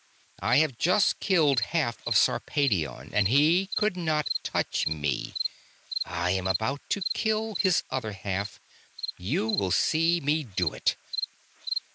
I have just killed half of Sarpedion and he could not touch me. I am about to kill his other half you will see me do it.